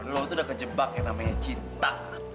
lo tuh udah kejebak yang namanya cinta